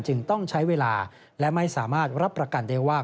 ต้องใช้เวลาและไม่สามารถรับประกันได้ว่า